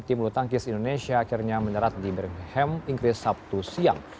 tim blutangkis indonesia akhirnya menerat di birmingham inggris sabtu siang